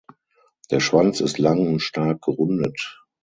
Der Schwanz ist lang und stark gerundet.